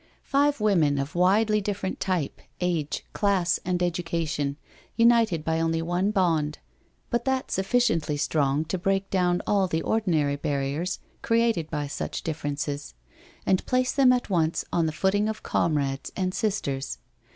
Five women of widely, different type, age, class, and education, united by only one bond, but that sufficiently strong to break down all the ordinary barriers created by such differences, and place them at once on the footing of comrades and sisters.